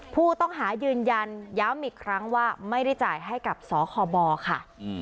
ผู้ต้องหายืนยันย้ำอีกครั้งว่าไม่ได้จ่ายให้กับสคบค่ะ